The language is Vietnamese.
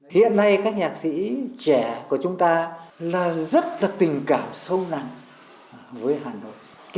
hiện nay các nhạc sĩ trẻ của chúng ta là rất là tình cảm sâu nặng với hà nội